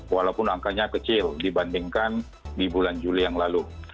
walaupun angkanya kecil dibandingkan di bulan juli yang lalu